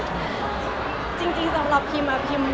จริงสำหรับพิม